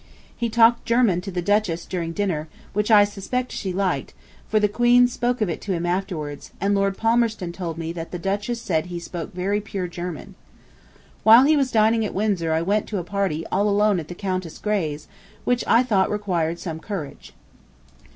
He talked German to the Duchess during dinner, which I suspect she liked, for the Queen spoke of it to him afterwards, and Lord Palmerston told me the Duchess said he spoke very pure German. While he was dining at Windsor I went to a party all alone at the Countess Grey's, which I thought required some courage.